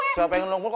siapa yang meluk meluk